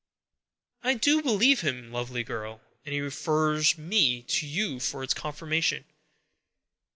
"I do believe him, lovely girl, and he refers me to you for its confirmation.